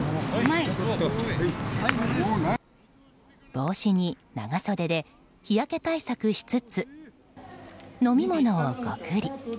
帽子に長袖で日焼け対策しつつ飲み物をごくり。